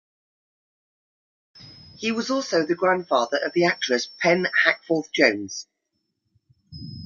He was also the grandfather of the actress Penne Hackforth-Jones.